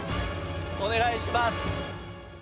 お願いします。